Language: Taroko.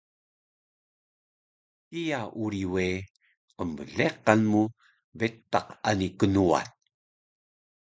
kiya uri we qnbleqan mu betaq ani knuwan